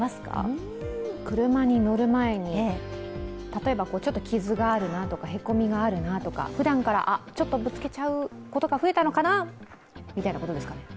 例えば、ちょっと傷があるなとかへこみがあるなとか、ふだんから、ちょっとぶつけちゃうことが増えたのかなみたいなことですかね。